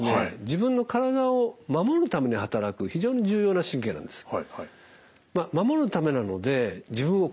自分の体を守るために働く非常に重要な神経なんです。